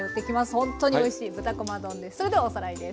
ほんっとにおいしい豚こま丼です。